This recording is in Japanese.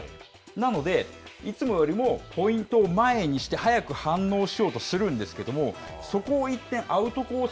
なので、いつもよりもポイントを前にして、早く反応しようとするんですけれども、そこを一転、アウトコース